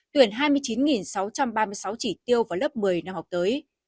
tuyển hai mươi chín sáu trăm ba mươi sáu chỉ tiêu vào lớp một mươi năm học tới